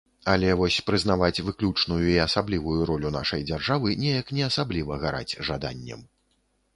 Але вось прызнаваць выключную і асаблівую ролю нашай дзяржавы неяк не асабліва гараць жаданнем.